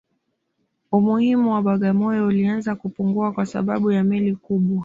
Umuhimu wa Bagamoyo ulianza kupungua kwa sababu ya meli kubwa